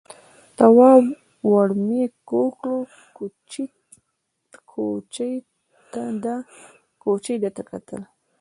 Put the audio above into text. تواب ور مېږ کوږ کړ، کوچي ده ته کتل.